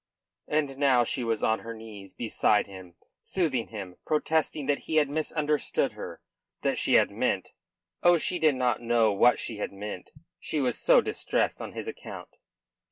And now she was on her knees beside him, soothing him; protesting that he had misunderstood her; that she had meant oh, she didn't know what she had meant, she was so distressed on his account.